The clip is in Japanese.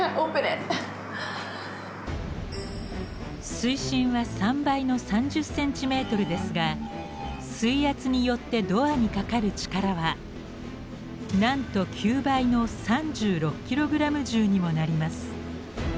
水深は３倍の３０ｃｍですが水圧によってドアにかかる力はなんと９倍の３６ｋｇ重にもなります。